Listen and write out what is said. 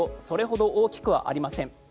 それほど大きくはありません。